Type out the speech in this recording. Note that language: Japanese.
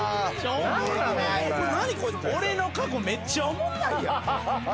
俺の過去めっちゃおもんないやん。